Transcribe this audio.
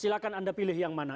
silahkan anda pilih yang mana